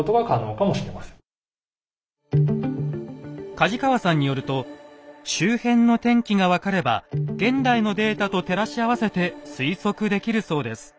梶川さんによると周辺の天気が分かれば現代のデータと照らし合わせて推測できるそうです。